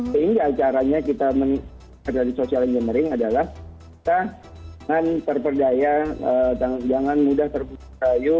sehingga caranya kita mencari social engineering adalah kita dengan terperdaya jangan mudah terpercaya